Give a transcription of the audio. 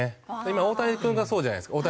今大谷君がそうじゃないですか。